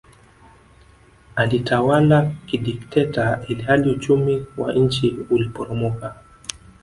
Alitawala kidikteta ilhali uchumi wa nchi uliporomoka